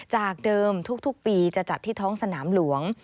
จากเดิมทุกปีจะจัดที่ท้องสนามหลวง